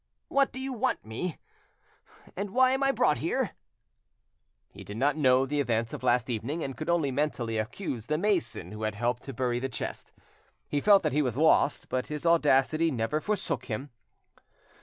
What do you want me? and why am I brought here?" He did not know the events of last evening, and could only mentally accuse the mason who had helped to bury the chest. He felt that he was lost, but his audacity never forsook him.